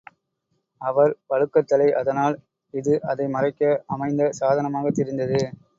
அவர் வழுக்கைத்தலை அதனால் இது அதை மறைக்க அமைந்த சாதனமாகத் தெரிந்தது.